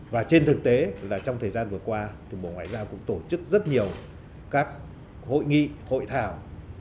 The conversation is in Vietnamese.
và trên thực tế là trong thời gian vừa qua thì bộ ngoại giao cũng tổ chức rất nhiều các hội nghị hội thảo